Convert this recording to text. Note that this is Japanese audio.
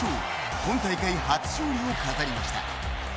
本大会初勝利を飾りました。